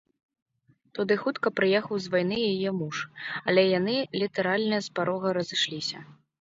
Туды хутка прыехаў з вайны яе муж, але яны літаральна з парога разышліся.